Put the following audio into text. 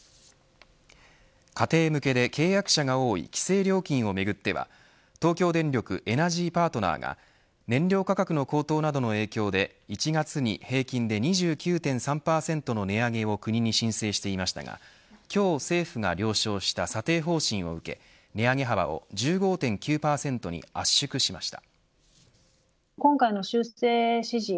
家庭向けて契約者が多い規制料金をめぐっては東京電力エナジーパートナーが燃料価格の高騰などの影響で１月に平均で２９．３％の値上げを国に申請していましたが今日政府が了承した査定方針を受け値上げ幅を１５．９％に圧縮しました。